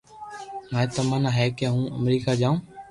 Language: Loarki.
ماري تمنا ھي ڪي ھون امرڪا جاو